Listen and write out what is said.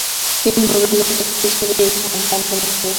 তিনি নোবেলের চাকরি ছেড়ে দিয়ে শান্তি আন্দোলন শুরু করেন।